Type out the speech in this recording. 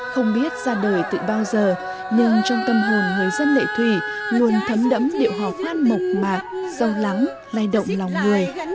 không biết ra đời từ bao giờ nhưng trong tâm hồn người dân lệ thủy luôn thấm đẫm điệu hò khoan mộc mạc sâu lắng lay động lòng người